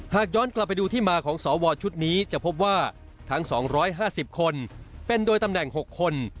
หากย้อนกลับไปดูที่มาของสวชุดนี้จะพบว่าทั้ง๒๕๐คนเป็นโดยตำแหน่ง๖คน